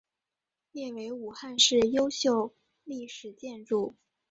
列为武汉市优秀历史建筑。